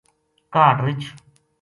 کاہڈ رِچھ